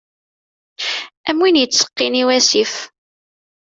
Am win yettseqqin i wasif.